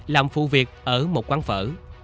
làm phụ việc ở một quán phở